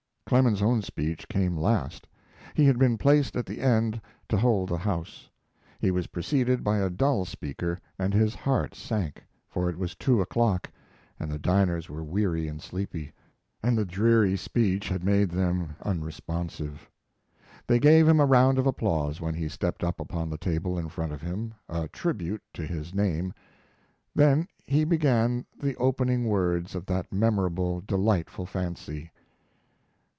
Clemens's own speech came last. He had been placed at the end to hold the house. He was preceded by a dull speaker, and his heart sank, for it was two o'clock and the diners were weary and sleepy, and the dreary speech had made them unresponsive. They gave him a round of applause when he stepped up upon the table in front of him a tribute to his name. Then he began the opening words of that memorable, delightful fancy.